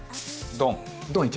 ドン！